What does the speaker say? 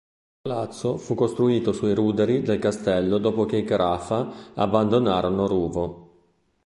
Il palazzo fu costruito sui ruderi del Castello dopo che i Carafa abbandonarono Ruvo.